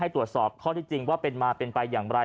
ตรวจสอบข้อที่จริงว่าเป็นมาเป็นไปอย่างไร